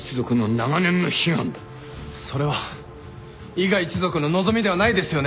それは伊賀一族の望みではないですよね？